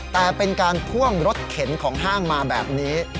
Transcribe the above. แต่เป็นการพ่วงรถเข็นของห้างมาแบบนี้